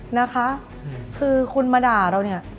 นะคะคือคุณมาด่าเรา